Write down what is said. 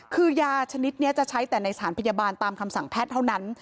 คือยาชนิดนี้จะใช้แต่ในสถานพยาบาลตามคำสั่งแพทย์เท่านั้น